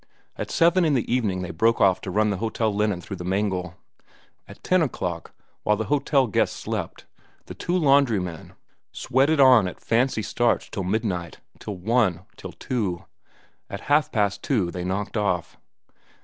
At seven in the evening they broke off to run the hotel linen through the mangle. At ten o'clock, while the hotel guests slept, the two laundrymen sweated on at "fancy starch" till midnight, till one, till two. At half past two they knocked off.